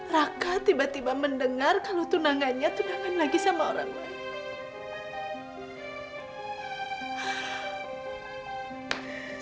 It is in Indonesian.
raka tiba tiba mendengar kalau tunangannya tunangan lagi sama orang lain